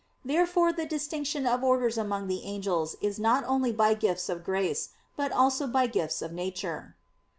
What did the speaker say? Therefore the distinction of orders among the angels is not only by gifts of grace, but also by gifts of nature.